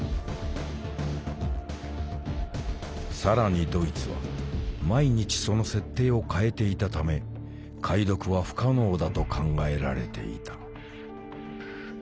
更にドイツは毎日その設定を変えていたため解読は不可能だと考えられていた。